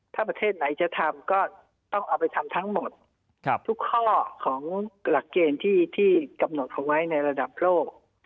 ถ้าประเทศไหนจะทำก็ต้องเอาไปทำทั้งหมดทุกข้อของหลักเกณฑ์ที่กำหนดเอาไว้ในระดับโลก